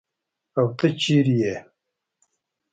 او ته چیرته ئي ؟